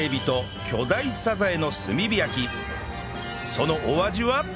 そのお味は？